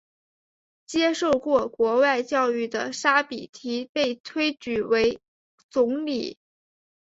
接受过国外教育的沙比提被推举为总理。